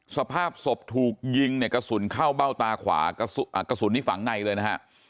สภาพศพถูกยิงเนี่ยกระสุนเข้าเบ้าตาขวากระสุนนี้ฝังในเลยนะฮะ